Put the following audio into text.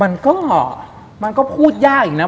มันก็มันก็พูดยากอีกนะ